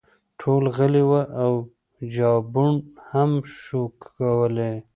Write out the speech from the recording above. ټول غلي وه ، چا بوڼ هم شو کولی !